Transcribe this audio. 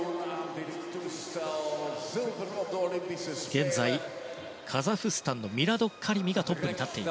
現在、カザフスタンのミラド・カリミがトップです。